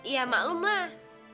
ya maklum lah